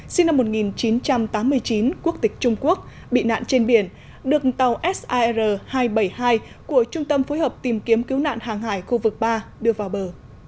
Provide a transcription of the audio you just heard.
sinh năm một nghìn chín trăm tám mươi chín quốc tịch trung quốc bị nạn trên biển được tàu sir hai trăm bảy mươi hai của trung tâm phối hợp tìm kiếm cứu nạn hàng hải khu vực ba đưa vào bờ